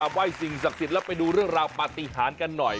ไหว้สิ่งศักดิ์สิทธิ์แล้วไปดูเรื่องราวปฏิหารกันหน่อย